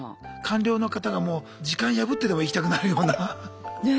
官僚の方が時間破ってでも行きたくなるような。ね。